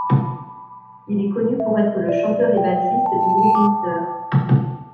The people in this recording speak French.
Il est connu pour être le chanteur et bassiste du groupe Mr.